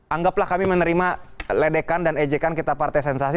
anggaplah kami menerima ledekan dan ejekan kita partai sensasi